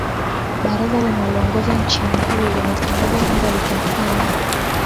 baraza linaloongoza nchi hiyo limetangaza kwamba litafanya